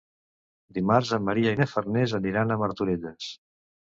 Dimarts en Maria i na Farners aniran a Martorelles.